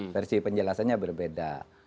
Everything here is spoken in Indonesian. versi penjelasannya berbeda